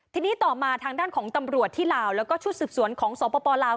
ทีนี้ต่อมาทางด้านของตำรวจที่ลาวแล้วก็ชุดสืบสวนของสปลาว